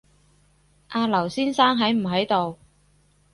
阿劉先生喺唔喺度